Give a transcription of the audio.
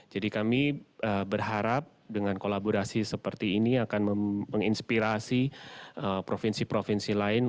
jadi kami berharap dengan kolaborasi seperti ini akan menginspirasi provinsi provinsi lain